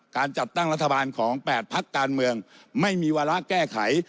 การจัดตั้งรัฐบาลของ๘พักการเมืองไม่มีวาระแก้ไข